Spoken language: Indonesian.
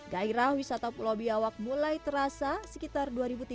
gairah wisata pulau biawak mulai terasa sekitar dua ribu tiga belas